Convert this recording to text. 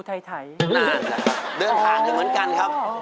นานแหละเดินทางเหมือนกันครับ